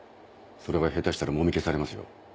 それは下手したらもみ消されますよ。